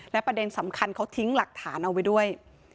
และประเด็นสำคัญเขาทิ้งหลักฐานเอาไว้ด้วย